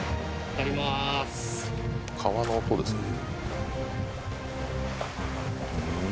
川の音ですね。